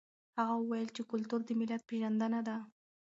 هغه وویل چې کلتور د ملت پېژندنه ده.